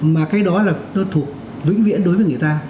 mà cái đó là nó thuộc vĩnh viễn đối với người ta